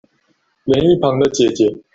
連一旁的姊姊